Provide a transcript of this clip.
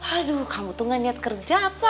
aduh kamu tuh gak niat kerja apa